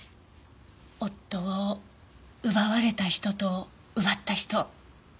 夫を奪われた人と奪った人。